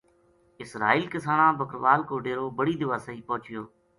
اسرائیل کسانہ بکروال کو ڈیرو بڑ ی دیواسئی پوہچیو